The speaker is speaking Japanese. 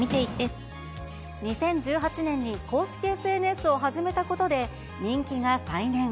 インスタグラムで、２０１８年に公式ＳＮＳを始めたことで、人気が再燃。